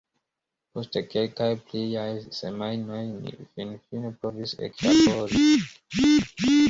Post kelkaj pliaj semajnoj, ni finfine povis eklabori.